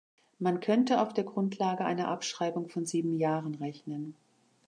Man könnte auf der Grundlage einer Abschreibung von sieben Jahren rechnen.